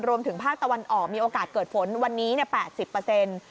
รวมถึงภาคตะวันออกมีโอกาสเกิดฝนวันนี้๘๐เปอร์เซ็นต์